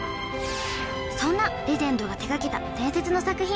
そんなレジェンドが手がけた伝説の作品